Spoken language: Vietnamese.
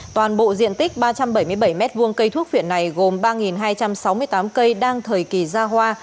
toàn bộ diện tích ba trăm bảy mươi bảy m hai cây thuốc phiện này gồm ba hai trăm sáu mươi tám cây đang thời kỳ ra hoa